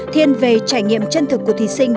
thiên về trải nghiệm chân thực của thí sinh